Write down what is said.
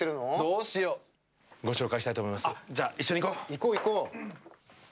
行こう行こう。